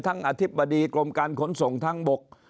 ทั้งอธิบดีกรมการขนส่งทั้งบก